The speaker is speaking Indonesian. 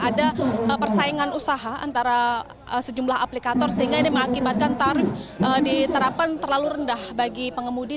ada persaingan usaha antara sejumlah aplikator sehingga ini mengakibatkan tarif diterapkan terlalu rendah bagi pengemudi